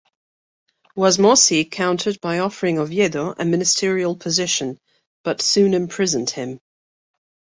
Wasmosy countered by offering Oviedo a ministerial position, but soon imprisoned him.